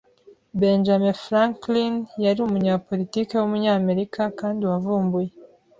Benjamin Franklin yari umunyapolitiki w’umunyamerika kandi wavumbuye.